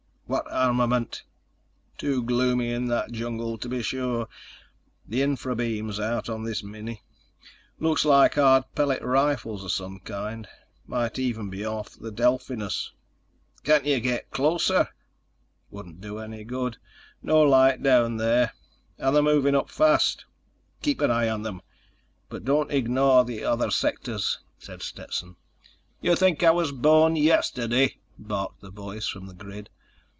"What armament?" "Too gloomy in that jungle to be sure. The infra beam's out on this mini. Looks like hard pellet rifles of some kind. Might even be off the Delphinus." "Can't you get closer?" "Wouldn't do any good. No light down there, and they're moving up fast." "Keep an eye on them, but don't ignore the other sectors," said Stetson. "You think I was born yesterday?" barked the voice from the grid.